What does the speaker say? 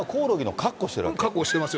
格好してますよ。